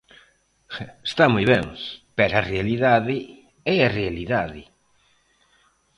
Está moi ben, pero a realidade é a realidade.